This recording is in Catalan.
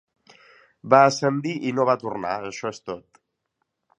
Va ascendir i no va tornar, això és tot.